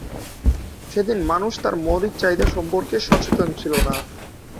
সেদিন মানুষ তার মৌলিক চাহিদা সম্পর্কে সচেতন ছিল না।